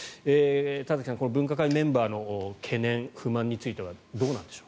田崎さん、分科会メンバーの懸念、不満についてはどうなんでしょう？